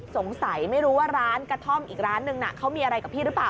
สงสัยไม่รู้ว่าร้านกระท่อมอีกร้านนึงเขามีอะไรกับพี่หรือเปล่า